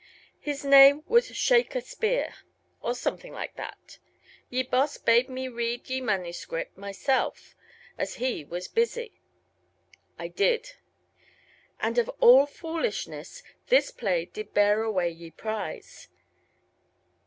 Hys name was Shake a Speare or somethynge lyke thatt. Ye Bosse bade mee reade ye maunuscripp myselfe, as hee was Bussy. I dyd. Ande of alle foulishnesse, thys playe dyd beare away ye prize.